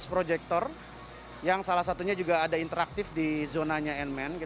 ada dua belas proyektor yang salah satunya juga ada interaktif di zonanya iron man